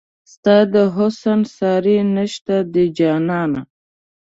ستا د حسن ساری نشته دی جانانه